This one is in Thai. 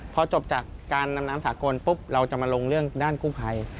พอจบจากการดำน้ำสากลปุ๊บเราจะมาลงเรื่องด้านกู้ภัย